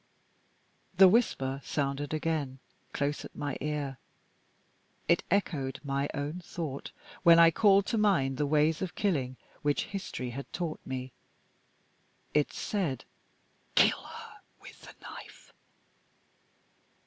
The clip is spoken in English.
The whisper sounded again, close at my ear. It echoed my own thought, when I called to mind the ways of killing which history had taught me. It said: "Kill her with the knife."